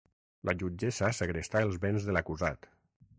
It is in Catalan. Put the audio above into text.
La jutgessa segrestà el béns de l'acusat.